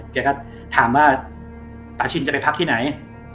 แกก็ถามว่าปาชินจะไปพักที่ไหน